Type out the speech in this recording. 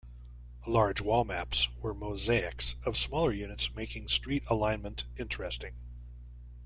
Large wall maps were mosaics of smaller units making street alignment interesting.